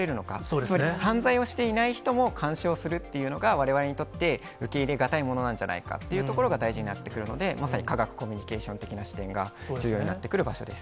つまり犯罪をしていない人も監視をするっていうのが、われわれにとって受け入れ難いものなんじゃないかというところが大事になってくるので、まさに科学コミュニケーション的な視点が重要になってくる場所です。